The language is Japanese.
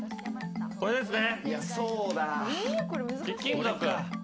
これですね。